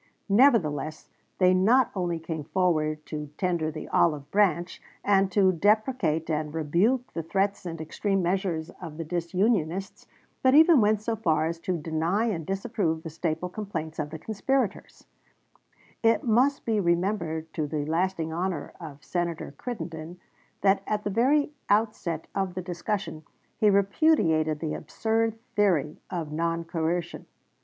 Nevertheless, they not only came forward to tender the olive branch, and to deprecate and rebuke the threats and extreme measures of the disunionists, but even went so far as to deny and disapprove the staple complaints of the conspirators. "Globe," Dec. 4, 1860, p. 5. It must be remembered to the lasting honor of Senator Crittenden that at the very outset of the discussion he repudiated the absurd theory of noncoercion.